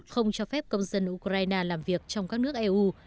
không cho phép công dân ukraine làm việc trong các nước eu